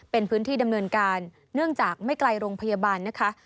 เป็นพื้นที่ดำเนินการเนื่องจากไม่ไกลโรงพยาบาลนะคะ